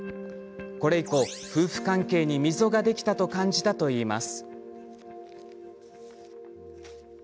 これ以降、夫婦関係に溝ができたと感じたといいます。